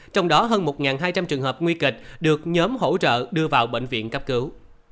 trong đó hơn một hai trăm linh trường hợp nguy kịch được nhóm hỗ trợ đưa vào bệnh viện cấp cứu